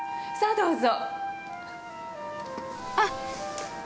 どうぞ。